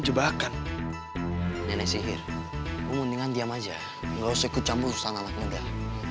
jebakan nenek sihir mendingan diam aja lu sekutu campur sana lah nggak